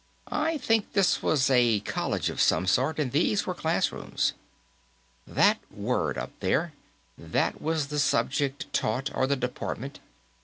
I think this was a college of some sort, and these were classrooms. That word, up there; that was the subject taught, or the department.